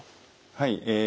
はい。